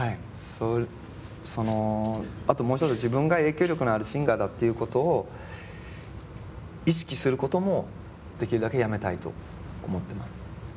そのあともう一つ自分が影響力のあるシンガーだということを意識することもできるだけやめたいと思ってます。